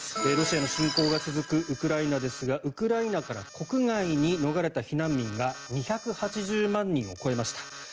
ロシアの侵攻が続くウクライナですがウクライナから国外に逃れた避難民が２８０万人を超えました。